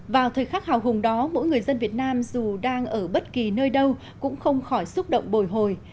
vào thời khắc hào hùng đó mỗi người dân việt nam dù đang ở bất kỳ nơi đâu cũng không khỏi xúc động bồi hồi